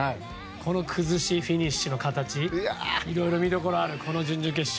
この崩し、フィニッシュの形いろいろ見どころがあるこの準々決勝。